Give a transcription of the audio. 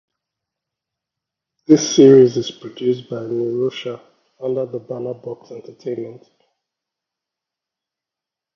The series is produced by Nirosha under the banner Box Entertainment.